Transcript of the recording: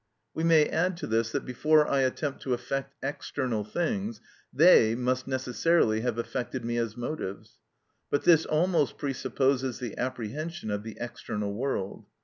We may add to this that before I attempt to affect external things they must necessarily have affected me as motives. But this almost presupposes the apprehension of the external world.